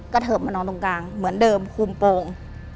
เทิบมานอนตรงกลางเหมือนเดิมคุมโปรง